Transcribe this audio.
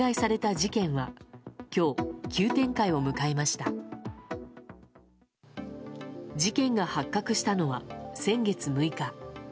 事件が発覚したのは先月６日。